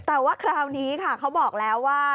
แต่ว่าคราวนี้ค่ะเขาบอกแล้วว่า